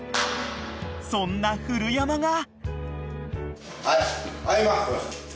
［そんな古山が］